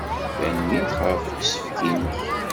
Tanemmirt ɣef usefk-nnek!